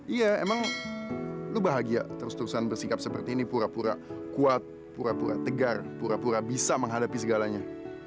iya emang lu bahagia terus terusan bersikap seperti ini pura pura kuat pura pura tegar pura pura bisa menghadapi segalanya